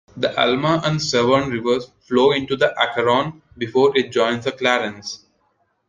The Alma and Severn Rivers flow into the Acheron before it joins the Clarence.